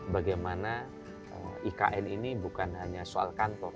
bagaimana ikn ini bukan hanya soal kantor